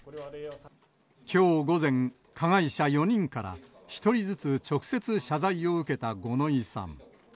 きょう午前、加害者４人から１人ずつ直接謝罪を受けた五ノ井さん。